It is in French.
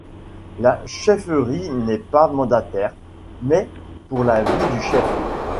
La chefferie n’est pas mandataire, mais pour la vie du chef.